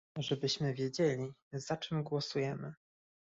Żebyśmy wiedzieli, za czym głosujemy